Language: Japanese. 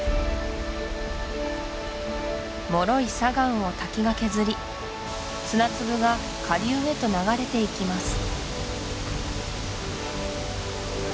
もろい砂岩を滝が削り砂粒が下流へと流れていきます